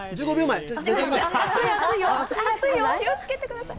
熱いよ、気をつけてください。